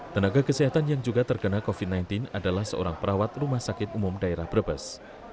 tenaga kesehatan yang juga terkena covid sembilan belas adalah seorang perawat rumah sakit umum daerah brebes